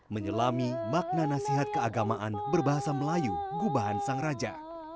menyelami makna nasihat keagamaan berbahasa melayu gubahan sang raja